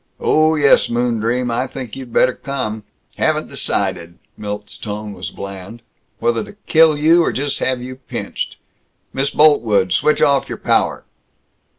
Oh, yes, moondream, I think you better come. Haven't decided" Milt's tone was bland "whether to kill you or just have you pinched. Miss Boltwood! Switch off your power!"